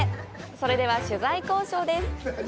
それでは取材交渉です。